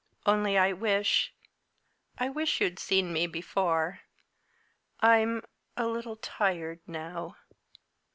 Only I wish I wish you'd seen me before. I'm a little tired now."